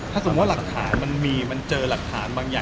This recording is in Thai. ถ้าสมมุติมันมีห้ามหาเหลือ